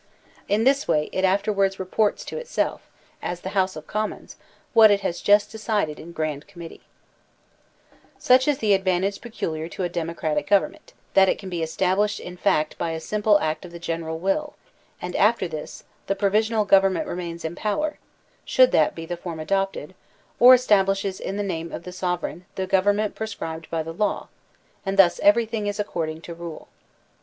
In this way it afterward re ports to itself, as the House of Commons, what it has just decided in Grand Committee. (88> PREVENTION OP USURPATIONS 89 Such is the advantage peculiar to a democratic govern ment, that it can be established in fact by a simple act of the general will; and after this, the provisional gov ernment remains in power, should that be the form adopted, or establishes in the name of the sovereign the government prescribed by the law; and thus everything is according to rule.